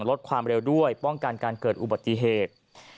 ลดความเร็วด้วยป้องกันการเกิดอุบัติเหตุ